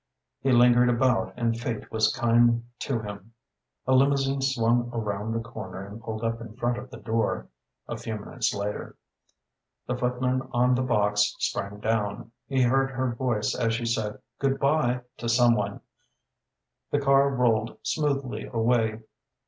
He lingered about and fate was kind to him. A limousine swung around the corner and pulled up in front of the door, a few minutes later. The footman on the box sprang down. He heard her voice as she said "Good by" to some one. The car rolled smoothly away.